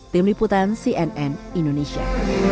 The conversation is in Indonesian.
tim liputan cnn indonesia